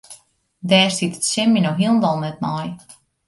Dêr stiet it sin my no hielendal net nei.